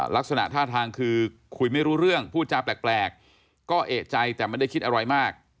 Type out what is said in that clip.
ลักษณะท่าทางคือคุยไม่รู้เรื่องพูดจาแปลกก็เอกใจแต่ไม่ได้คิดอะไรมาก